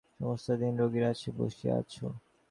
সমস্ত দিন রোগীর কাছে বসিয়া আছ।